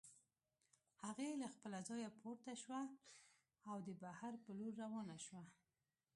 هغې له خپله ځايه پورته شوه او د بهر په لور روانه شوه.